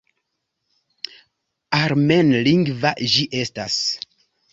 Armenlingva ĝi estas.